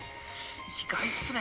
意外っすね」。